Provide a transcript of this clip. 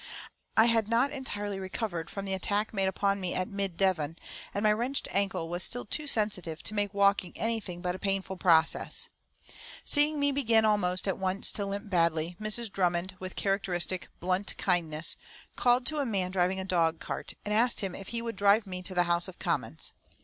I had not entirely recovered from the attack made upon me at Mid Devon, and my wrenched ankle was still too sensitive to make walking anything but a painful process. Seeing me begin almost at once to limp badly, Mrs. Drummond, with characteristic, blunt kindness, called to a man driving a dog cart and asked him if he would drive me to the House of Commons.